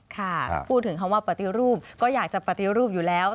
ค่ะพูดถึงคำว่าปฏิรูปก็อยากจะปฏิรูปอยู่แล้ว